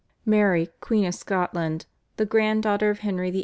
Mary Queen of Scotland, the grand daughter of Henry VIII.'